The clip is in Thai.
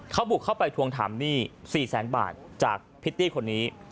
เขาบุกเข้าไปทวงทำหนี้๔๐๐๐บาทจากพิตติคนนี้